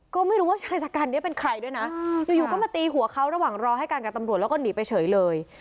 ก็ไม่รู้ว่าชายชะกันนี้เป็นใครด้วยนะอยู่ก็มาตีหัวเขาระหว่างรอให้กันกับตำรวจแล้วก็หนีไปเฉยเลย